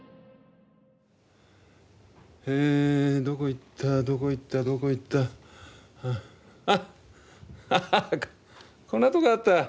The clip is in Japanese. どこ行ったどこ行ったどこ行った。